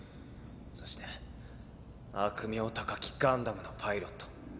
そして悪名高きガンダムのパイロット。